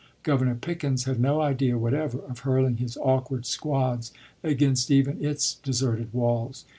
Governor Pickens had no idea whatever of hurling his awkward squads against even its deserted walls.